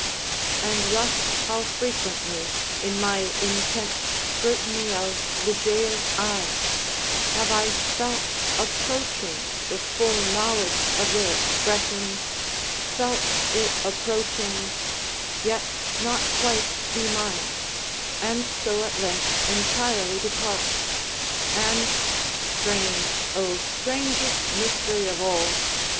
And thus how frequently, in my intense scrutiny of Ligeia's eyes, have I felt approaching the full knowledge of their expression—felt it approaching—yet not quite be mine—and so at length entirely depart! And (strange, oh strangest mystery of all!)